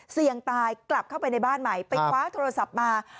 เสี่ยงตายกลับเข้าไปในบ้านใหม่ไปคว้าโทรศัพท์มา